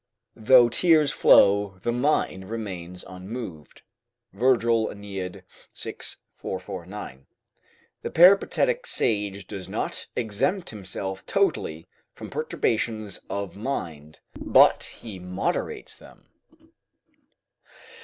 ["Though tears flow, the mind remains unmoved." Virgil, AEneid, iv. 449] The Peripatetic sage does not exempt himself totally from perturbations of mind, but he moderates them.